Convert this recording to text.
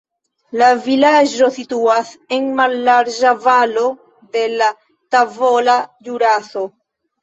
La vilaĝo situas en mallarĝa valo de la Tavola Ĵuraso.